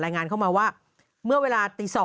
รายงานเข้ามาว่าเมื่อเวลาตี๒